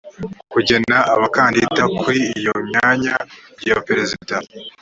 kugena abakandida kuri iyo myanya ya perezida